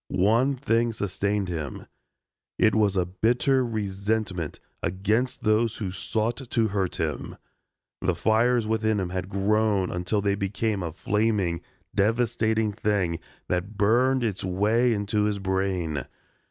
One thing sustained him. It was a bitter resentment against those who sought to hurt him. The fires within him had grown until they became a flaming, devastating thing that burned its way into his brain.